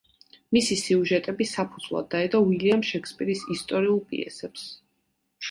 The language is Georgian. მისი სიუჟეტები საფუძვლად დაედო უილიამ შექსპირის ისტორიულ პიესებს.